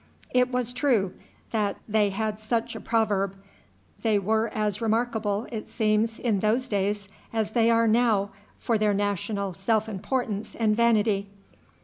It was true that they had such a proverb. They were as remarkable, it seems, in those days as they are now for their national self importance and vanity.